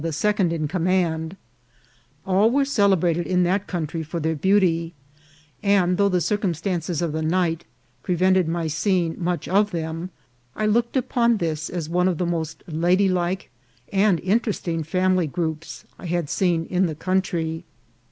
69 the second in command; all were celebrated in that country for their beauty ; and though the circum stances of the night prevented my seeing much of them, I looked upon this as one of the most lady like and interesting family groups I had seen in the country.